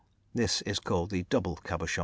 This is called the "double" cabochon.